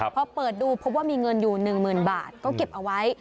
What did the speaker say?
พอเปิดดูพบว่ามีเงินอยู่หนึ่งเมาย์บาทก็เก็บเอาไว้